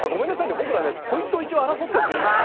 僕らねポイントを一応争ってるんですよ